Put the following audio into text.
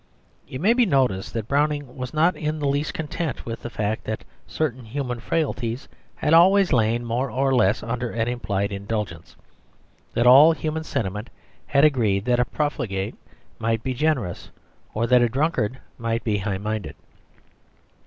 It may be noticed that Browning was not in the least content with the fact that certain human frailties had always lain more or less under an implied indulgence; that all human sentiment had agreed that a profligate might be generous, or that a drunkard might be high minded.